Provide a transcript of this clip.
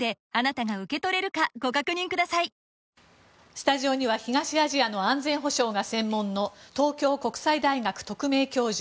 スタジオには東アジアの安全保障が専門の東京国際大学特命教授